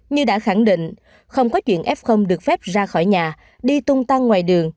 như đã khẳng định không có chuyện f được phép ra khỏi nhà đi tung tăng ngoài đường